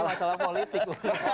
ini masalah politik